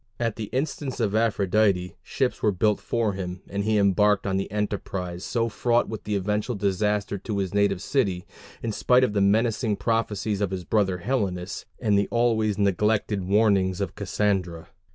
At the instance of Aphrodite, ships were built for him, and he embarked on the enterprise so fraught with eventual disaster to his native city, in spite of the menacing prophecies of his brother Helenus, and the always neglected warnings of Cassandra.